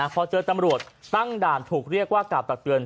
พอเจอตำรวจตั้งด่านถูกเรียกว่ากล่าวตักเตือน